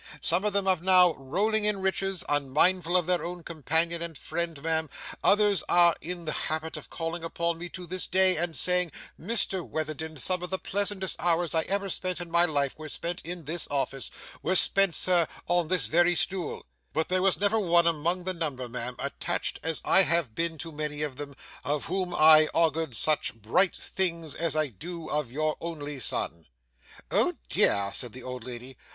Some of them are now rolling in riches, unmindful of their old companion and friend, ma'am, others are in the habit of calling upon me to this day and saying, "Mr Witherden, some of the pleasantest hours I ever spent in my life were spent in this office were spent, Sir, upon this very stool"; but there was never one among the number, ma'am, attached as I have been to many of them, of whom I augured such bright things as I do of your only son.' 'Oh dear!' said the old lady.